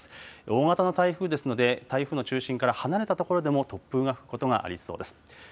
大型の台風ですので、台風の中心から離れた所でも突風が吹くことがありそうです。